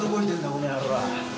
この野郎。